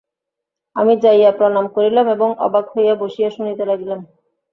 আমি যাইয়া প্রণাম করিলাম এবং অবাক হইয়া বসিয়া শুনিতে লাগিলাম।